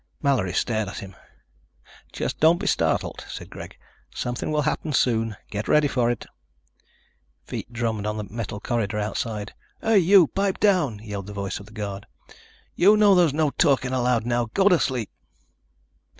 Mallory stared at him. "Just don't be startled," said Greg. "Something will happen soon. Get ready for it." Feet drummed on the metal corridor outside. "Hey, you, pipe down!" yelled the voice of the guard. "You know there's no talking allowed now. Go to sleep."